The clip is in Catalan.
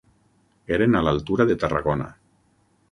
Eren a l'altura de Tarragona.